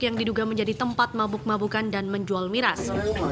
yang diduga menjadi tempat mabuk mabukan dan menjual miras